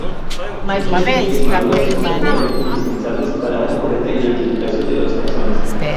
Dichas semillas maduras son prácticamente indispensables para una correcta identificación de los taxones.